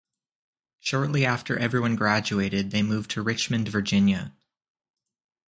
Shortly after everyone graduated, they moved to Richmond, Virginia.